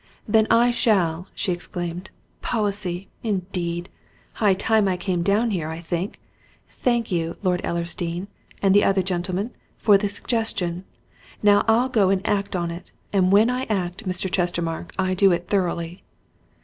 "Then I shall!" she exclaimed. "Policy, indeed! High time I came down here, I think! Thank you, Lord Ellersdeane and the other gentleman for the suggestion. Now I'll go and act on it. And when I act, Mr. Chestermarke, I do it thoroughly!"